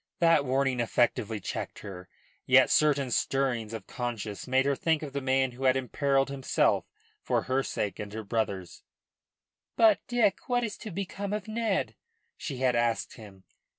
That warning effectively checked her. Yet certain stirrings of conscience made her think of the man who had imperilled himself for her sake and her brother's. "But, Dick, what is to become of Ned?" she had asked him.